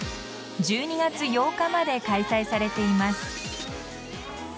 １２月８日まで開催されています。